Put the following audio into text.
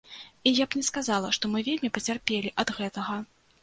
І я б не сказала, што мы вельмі пацярпелі ад гэтага.